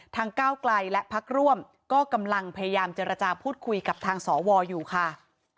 ก้าวไกลและพักร่วมก็กำลังพยายามเจรจาพูดคุยกับทางสวอยู่ค่ะ